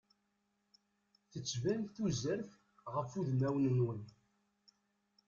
Tettban tuzert ɣef udmawen-nwen.